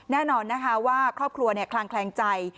แน่นอนนะคะว่าครอบครัวคลางแคลงใจ